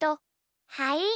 はい！